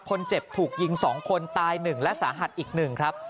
คนเจ็บถูกยิงสองคนตายหนึ่งและสาหัสอีกหนึ่งครับ